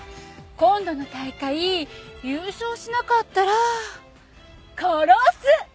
今度の大会優勝しなかったら殺す！